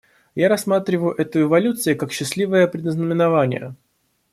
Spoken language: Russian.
Я рассматриваю эту эволюцию как счастливое предзнаменование.